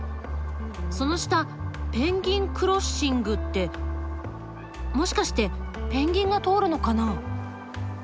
その下「ペンギンクロッシング」ってもしかしてペンギンが通るのかな？